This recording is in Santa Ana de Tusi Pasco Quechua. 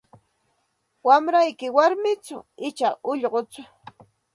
Wamrayki warmichu icha ullquchu?